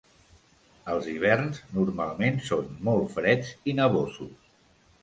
Els hiverns normalment són molt freds i nevosos.